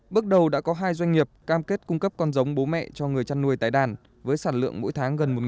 bước đầu đã có hai doanh nghiệp cam kết cung cấp con giống bố mẹ cho người chăn nuôi tái đàn với sản lượng mỗi tháng gần một tấn